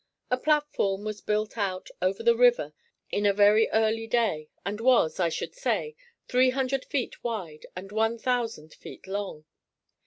A platform was built out over the river in a very early day and was, I should say, three hundred feet wide and one thousand feet long.